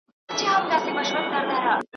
چي نه سیوری د رقیب وي نه اغیار په سترګو وینم.